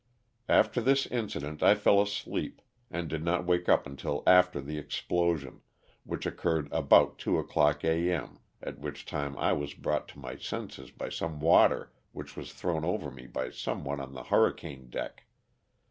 After this incident I fell asleep, and did not wake up until after the explosion, which occurred about two o'clock a. m., at which time I was brought to my senses by some water which was thrown over me by some one on the hurricane deck.